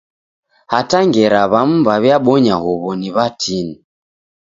Hata ngera w'amu w'aw'ibonya huw'o ni w'atini.